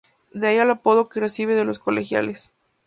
De ahí el apodo que reciben de los "Colegiales".